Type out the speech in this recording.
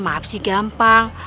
maaf sih gampang